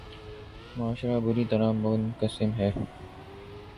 معاشرہ بری طرح منقسم ہے۔